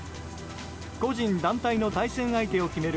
個人、団体の対戦相手を決める